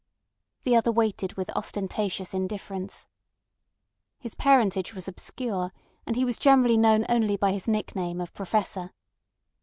The other waited with ostentatious indifference. His parentage was obscure, and he was generally known only by his nickname of Professor.